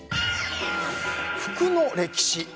服の歴史。